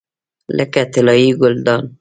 لکه طلایي ګلدان.